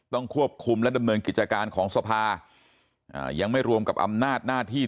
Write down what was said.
ต้องควบคุมและดำเนินกิจการของสภายังไม่รวมกับอำนาจหน้าที่